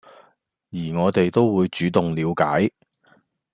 而我哋都會主動了解